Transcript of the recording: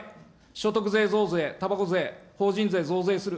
所得税増税、たばこ税、法人税増税する。